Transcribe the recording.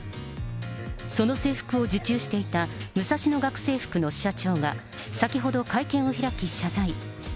その制服を受注していたムサシノ学生服の社長が、先ほど会見を開き謝罪。